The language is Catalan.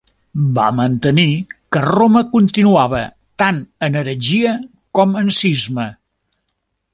Va mantenir que Roma continuava tant en heretgia com en cisma.